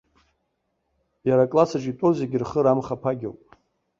Иара икласс аҿы итәоу зегьы рхы рамхаԥагьоуп.